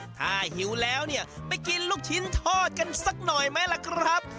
ถ้าหิวแล้วเนี่ยไปกินลูกชิ้นทอดกันสักหน่อยไหมล่ะครับ